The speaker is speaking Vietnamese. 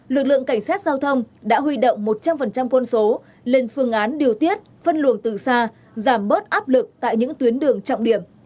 lực lượng cảnh sát giao thông đã huy động một trăm linh quân số lên phương án điều tiết phân luồng từ xa giảm bớt áp lực tại những tuyến đường trọng điểm